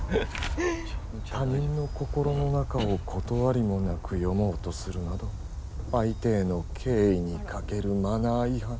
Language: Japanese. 他人の心の中を断りもなく読もうとするなど相手への敬意に欠けるマナー違反。